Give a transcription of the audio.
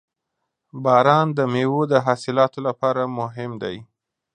• باران د میوو د حاصلاتو لپاره مهم دی.